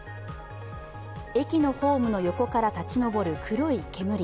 駅のホームの横から立ち上る黒い煙。